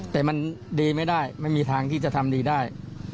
แต่มันดีไม่ได้ไม่มีทางที่จะทำดีได้